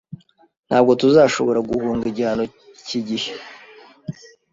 Ntabwo tuzashobora guhunga igihano iki gihe